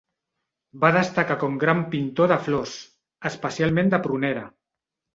Va destacar com gran pintor de flors, especialment de prunera.